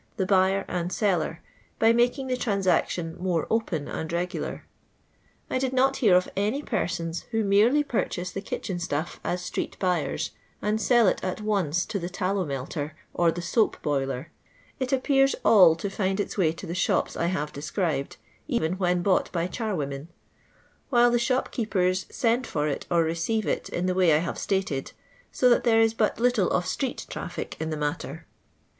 the buyer and seller, by making the transaction more open and regular. I did not hear of any persons who merely purchase the kitchen ■tuff, as Btreel buYers, and sell it at once to the tallow melter or the soap boiler ; it appears all to find ita way to the shops I have described, even when bought by charwomen ; while the shop keepers tend for it or receive it in the way I have aUted, so that there is but little of street XnMk in the matter.